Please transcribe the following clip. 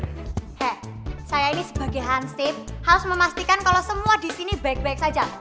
oke saya ini sebagai hansip harus memastikan kalau semua di sini baik baik saja